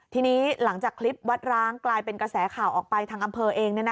ทีนี้หลังจากคลิปวัดร้างกลายเป็นกระแสข่าวออกไปทางอำเภอเอง